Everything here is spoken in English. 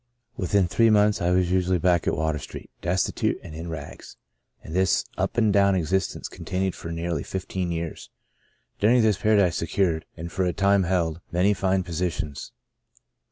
" Within three months I was usually back at Water Street, destitute, and in rags. And this up and down existence continued for nearly fifteen years. During this period I secured, and for a time held, many fine posi tions.